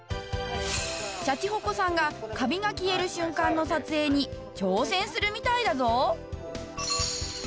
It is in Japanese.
シャチホコさんがカビが消える瞬間の撮影に挑戦するみたいだぞ。